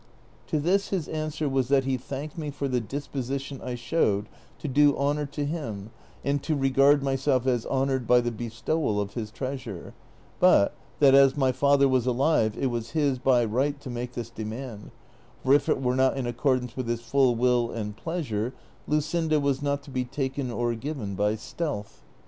To this his answer was that he thanked me for the disposition 1 showed to do honor to hiiu and to reo ard myself as honored hy the bestowal of his treasure ; but that as my father was alive it was his by right to make this demand, for if it were not in accordance with his full will and pleasure, Luscinda was not to be taken or given by stealth.